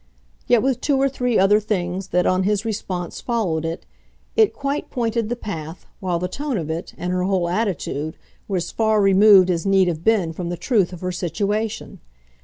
Yet with two or three other things that, on his response, followed it, it quite pointed the path, while the tone of it, and her whole attitude, were as far removed as need have been from the truth of her situation.